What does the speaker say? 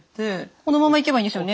このままいけばいいんですよね。